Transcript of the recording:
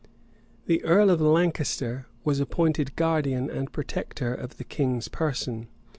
The earl of Lancaster was appointed guardian and protector of the king's person.